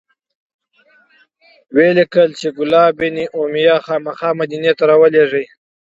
ولیکل چې کلاب بن امیة خامخا مدینې ته راولیږه.